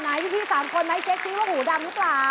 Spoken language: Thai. ไหนที่พี่สามคนไหมแจ๊กทิ้งว่าหูดำนึกล่า